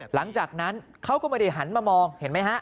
หลังจากนั้นเขาก็ไม่ได้หันมามองเห็นไหมฮะ